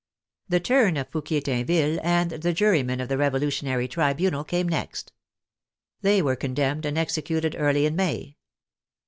The turn of Fouquier Tinville and the jurymen of the Revolutionary Tribunal came next. They were con demned and executed early in May.